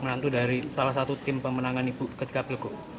yang semua manager kerumunan untuk bekerobok